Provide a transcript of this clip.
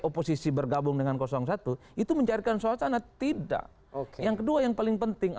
oposisi bergabung dengan satu itu mencairkan suasana tidak oke yang kedua yang paling penting